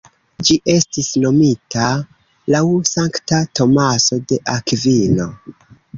Ĝi estis nomita laŭ sankta Tomaso de Akvino.